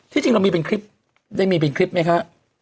จริงเรามีเป็นคลิปได้มีเป็นคลิปไหมคะ